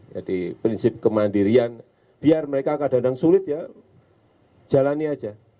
jadi prinsip kemandirian biar mereka kadang kadang sulit ya jalani aja